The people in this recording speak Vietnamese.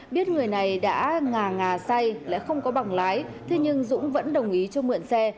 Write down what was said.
biết người này đã ngà ngà say lại không có bảng lái thế nhưng dũng vẫn đồng ý cho mượn xe